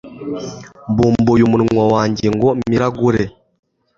Mbumbuye umunwa wanjye ngo miragure